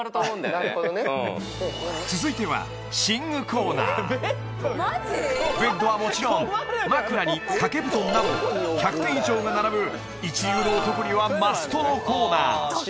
なるほどね続いては寝具コーナーベッドはもちろん枕に掛け布団など１００点以上が並ぶ一流の男にはマストのコーナー